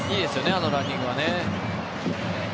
あのランニングは。